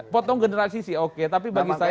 potong generasi sih oke tapi bagi saya